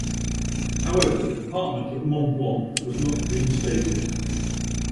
However, the department of Mont-Blanc was not reinstated.